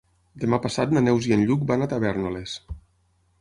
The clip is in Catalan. Demà passat na Neus i en Lluc van a Tavèrnoles.